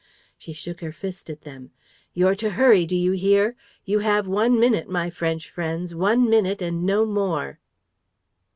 She shook her fist at them: "You're to hurry, do you hear? ... You have one minute, my French friends, one minute and no more!